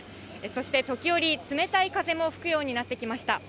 そして、時折、冷たい風も吹くようになってきました。